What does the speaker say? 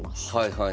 はい。